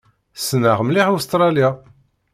Ssneɣ mliḥ Ustṛalya.